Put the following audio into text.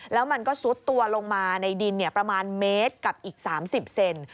แล้วมันก็ซุดตัวลงมาในดินประมาณเมตรกับอีก๓๐เซน